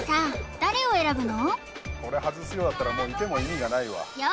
誰を選ぶの？